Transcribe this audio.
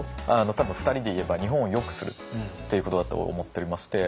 多分２人で言えば日本をよくするっていうことだと思っておりまして。